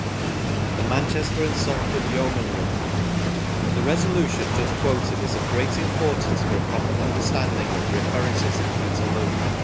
THE MANCHESTER AND SALFORD YEOMANRY. The Resolution just quoted is of great importance for a proper understanding of the occurrences at Peterloo.